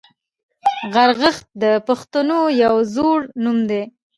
غرغښت د پښتنو یو زوړ نوم دی